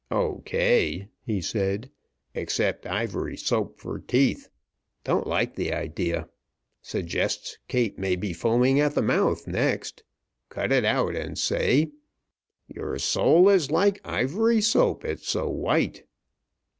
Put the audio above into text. "O. K.," he said, "except Ivory Soap for teeth. Don't like the idea. Suggests Kate may be foaming at the mouth next. Cut it out and say: "'Your soul is like Ivory Soap, it's so white.'"